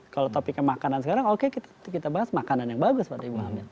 kalau topiknya makanan sekarang oke kita bahas makanan yang bagus pada ibu hamil